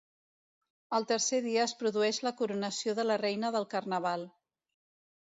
El tercer dia es produeix la coronació de la Reina del Carnaval.